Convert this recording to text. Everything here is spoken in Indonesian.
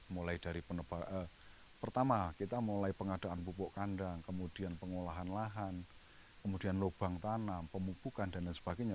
mulai dari pertama kita mulai pengadaan pupuk kandang kemudian pengolahan lahan kemudian lubang tanam pemupukan dan sebagainya